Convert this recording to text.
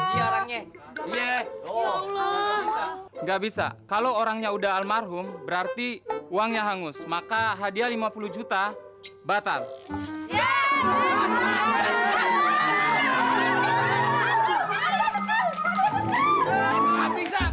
nggak bisa kalau orangnya udah almarhum berarti uangnya hangus maka hadiah lima puluh juta batal